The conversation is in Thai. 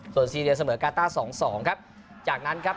ส่วนซีเรียเสมอกาต้าสองสองครับจากนั้นครับ